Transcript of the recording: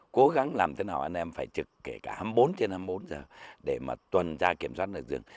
cố gắng làm thế nào anh em phải trực kể cả hai mươi bốn trên hai mươi bốn giờ để mà tuần tra kiểm soát được rừng